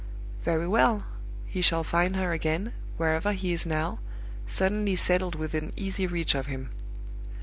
Very well. He shall find her again, wherever he is now, suddenly settled within easy reach of him.